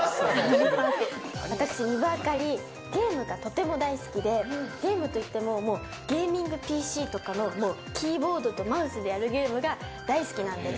私、丹生明里、ゲームがとても大好きで、ゲームといっても、ゲーミングＰＣとかのキーボードとマウスでやるゲームが大好きなんです。